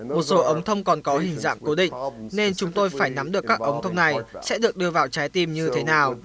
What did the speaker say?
một số ống thông còn có hình dạng cố định nên chúng tôi phải nắm được các ống thông này sẽ được đưa vào trái tim như thế nào